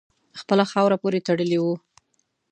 خپله خاوره پوري تړلی وو.